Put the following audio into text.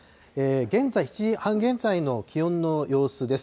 現在、７時半現在の気温の様子です。